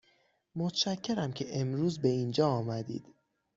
متشکرم که امروز به اینجا آمدید.